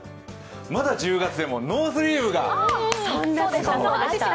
まだ１０月でもノースリーブが。